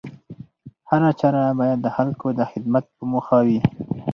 هره چاره بايد د خلکو د خدمت په موخه وي